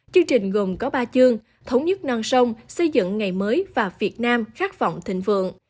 chương trình gồm có ba chương thống nhất non sông xây dựng ngày mới và việt nam khát vọng thịnh vượng